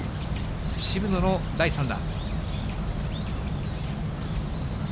渋野の第３打。